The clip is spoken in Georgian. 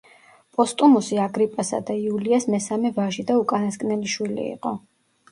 პოსტუმუსი აგრიპასა და იულიას მესამე ვაჟი და უკანასკნელი შვილი იყო.